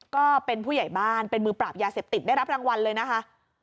ก็เป็นผู้ใหญ่บ้านเป็นมือปราบยาเสพติดได้รับรางวัลเลยนะคะ